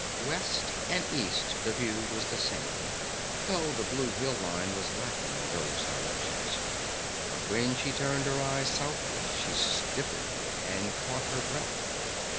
West and east the view was the same; though the blue hill line was lacking in those directions. But when she turned her eyes southward she stiffened and caught her breath.